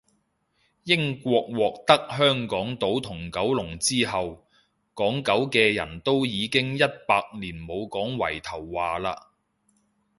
英國獲得香港島同九龍之後，港九嘅人都已經一百年冇講圍頭話喇